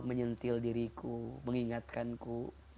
menyentil diriku mengingatkanku